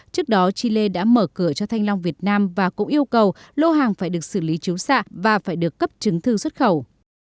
trước đó chile đã mở cửa cho thanh long việt nam và cũng yêu cầu lô hàng phải được xử lý trú xạ và phải được cấp chứng thư xuất khẩu